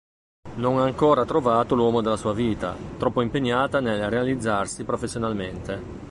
Non ha ancora trovato l'uomo della sua vita, troppo impegnata nel realizzarsi professionalmente.